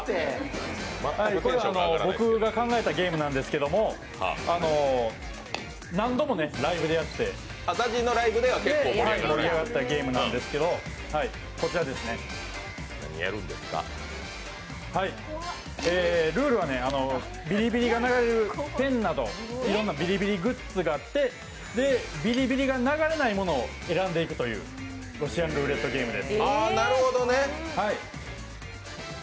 僕が考えたゲームなんですけれども何度もライブでやって盛り上がったゲームなんですけどルールはビリビリが流れるペンなど、いろいろなグッズがあってビリビリが流れないものを選んでいくというロシアンルーレットゲームです。